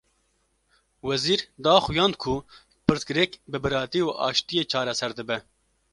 Wezîr, daxuyand ku pirsgirêk bi biratî û aştiyê çareser dibe